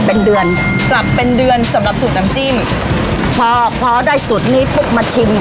เป็นเดือนปรับเป็นเดือนสำหรับสูตรน้ำจิ้มพอพอได้สูตรนี้ปุ๊บมาชิม